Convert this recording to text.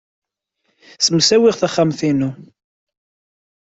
Ssemsawiɣ taxxamt-inu.